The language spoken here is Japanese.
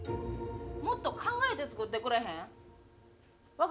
もっと考えて作ってくれへん？